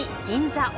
銀座